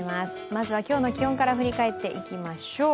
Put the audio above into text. まずは今日の気温から振り返っていきましょう。